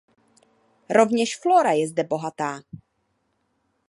Rovněž flora je zde bohatá.